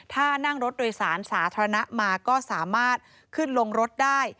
ถ้านั่งรถโดยสารสาธารณะมาก็สามารถขึ้นลงรถได้